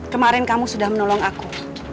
kemarin kamu sudah menolong aku